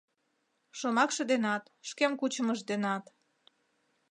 Шомакше денат, шкем кучымыж денат.